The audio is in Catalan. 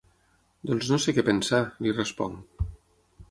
Doncs no sé què pensar —li responc—.